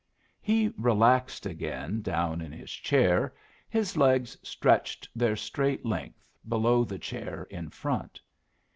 He relaxed again, down in his chair, his legs stretched their straight length below the chair in front.